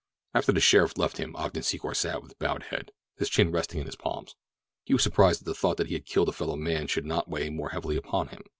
After the sheriff left him Ogden Secor sat with bowed head, his chin resting in his palms. He was surprised that the thought that he had killed a fellow man should not weigh more heavily upon him.